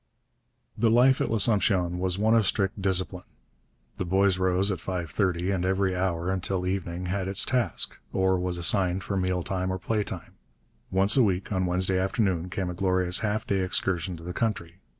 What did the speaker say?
The life at L'Assomption was one of strict discipline. The boys rose at 5.30, and every hour until evening had its task, or was assigned for mealtime or playtime. Once a week, on Wednesday afternoon, came a glorious half day excursion to the country.